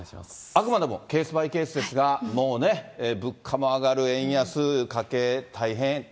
あくまでもケースバイケースですが、もうね、物価も上がる、円安、家計大変。